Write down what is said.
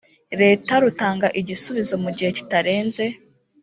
leta rutanga igisubizo mu gihe kitarenze